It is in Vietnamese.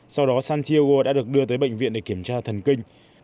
sau đó santiago đã được đưa tới bệnh viện để kiểm tra thần kinh